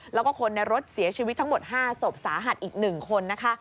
แล้วก็คนในรถเสียชีวิตทั้งหมด๕ศพสาหัสอีก๑คนนะคะ